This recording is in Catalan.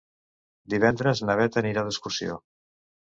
Divendres na Bet anirà d'excursió.